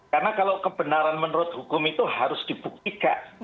karena kalau kebenaran menurut hukum itu harus dibuktikan